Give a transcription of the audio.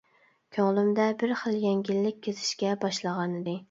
كۆڭلۈمدە بىر خىل يەڭگىللىك كېزىشكە باشلىغانىدى.